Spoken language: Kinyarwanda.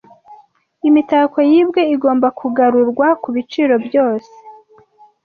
Imitako yibwe igomba kugarurwa kubiciro byose